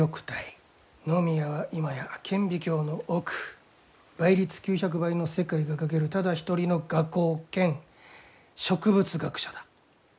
野宮は今や顕微鏡の奥倍率９００倍の世界が描けるただ一人の画工兼植物学者だ。